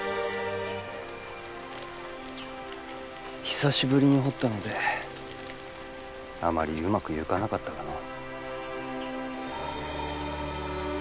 久しぶりに彫ったのであまりうまくいかなかったがのう。